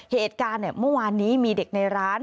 เหตุการณ์เมื่อวานนี้มีเด็กในร้าน